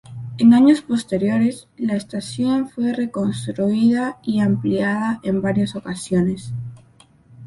En años posteriores la estación fue reconstruida y ampliada en varias ocasiones.